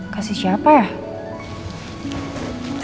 kasih siapa ya